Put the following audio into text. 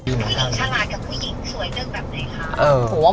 ผู้หญิงฉลาดกับผู้หญิงสวยเรื่องแบบไหนคะ